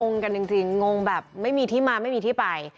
งกันจริงงงแบบไม่มีที่มาไม่มีที่ไป